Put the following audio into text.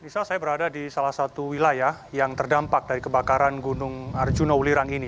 bisa saya berada di salah satu wilayah yang terdampak dari kebakaran gunung arjuna ulirang ini